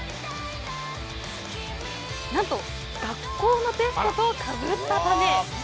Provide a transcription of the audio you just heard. なんと、学校のテストとかぶったため！